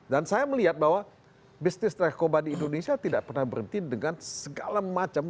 dan saya melihat bahwa bisnis rekoban di indonesia tidak pernah berhenti dengan segala macam